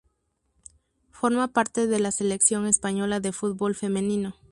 Forma parte de la selección española de fútbol femenino.